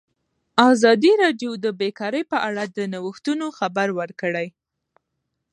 ازادي راډیو د بیکاري په اړه د نوښتونو خبر ورکړی.